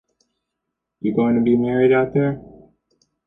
You going to be married out there?